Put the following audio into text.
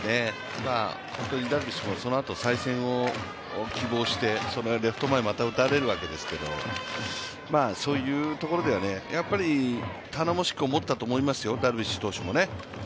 本当にダルビッシュもそのあと再戦を希望してレフト前にまた打たれるわけですけど、そういうところでは頼もしく思ったと思いますよダルビッシュ投手もね。